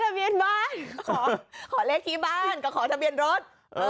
ทะเบียนบ้านขอเลขที่บ้านก็ขอทะเบียนรถ